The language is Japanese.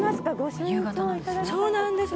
「夕方なんですね」